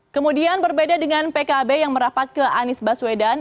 kemudian berbeda dengan pkb yang merapat ke anies baswedan